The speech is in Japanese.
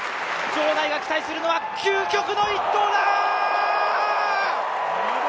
場内が期待するのは究極の一投だ！